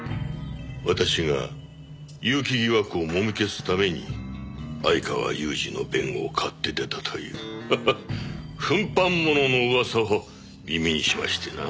私が結城疑惑をもみ消すために相川裕治の弁護を買って出たという噴飯ものの噂を耳にしましてな。